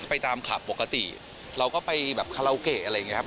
ไปตามขับปกติเราก็ไปแบบขหลาวเกตอะไรงี้นะครับ